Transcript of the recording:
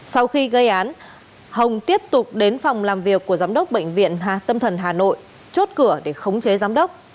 sau khi gây án hồng tiếp tục đến phòng làm việc của giám đốc bệnh viện tâm thần hà nội chốt cửa để khống chế giám đốc